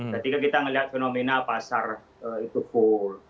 ketika kita melihat fenomena pasar itu full